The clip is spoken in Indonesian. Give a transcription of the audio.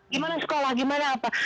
gimana sekolah gimana apa